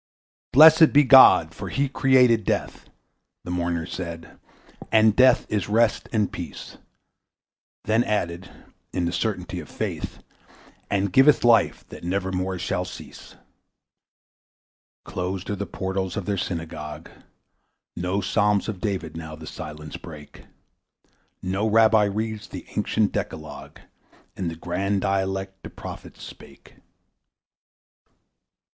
"Blessed be God! for he created Death!" The mourners said, "and Death is rest and peace"; Then added, in the certainty of faith, "And giveth Life that never more shall cease." Closed are the portals of their Synagogue, No Psalms of David now the silence break, No Rabbi reads the ancient Decalogue In the grand dialect the Prophets spake.